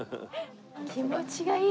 気持ちがいい。